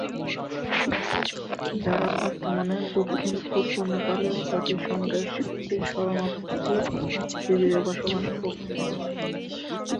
যারা বর্তমানে দক্ষিণ-পূর্ব নেপালের জাতিসংঘের সাতটি শরণার্থী শিবিরে বসবাস করছে।